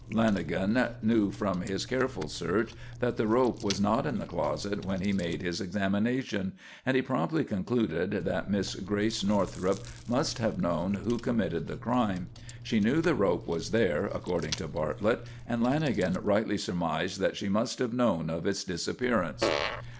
Lanagan knew from his careful search that the rope was not in the closet when he made his examination, and he promptly concluded that Miss Grace Northrup must have known who committed the crime. She knew the rope was there, according to Bartlett, and Lanagan rightly surmised that she must have known of its disappearance.